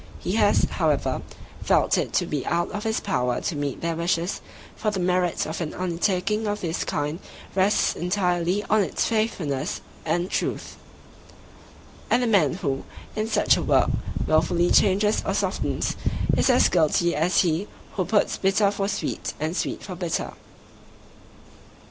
He has, however, felt it to be out of his power to meet their wishes, for the merit of an undertaking of this kind rests entirely on its faithfulness and truth; and the man who, in such a work, wilfully changes or softens, is as guilty as he "who puts bitter for sweet, and sweet for bitter".